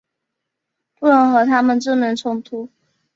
不能和他们正面冲突